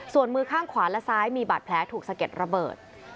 ส่วนมือข้างขวาและซ้ายมีบาดแผลถูกสะเก็ดระเบิด